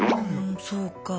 そうか。